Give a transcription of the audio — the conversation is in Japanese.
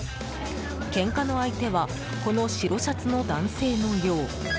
けんかの相手はこの白シャツの男性のよう。